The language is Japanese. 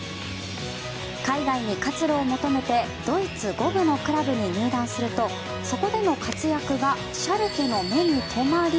海外に活路を求めてドイツ５部のクラブに入団するとそこでの活躍がシャルケの目に留まり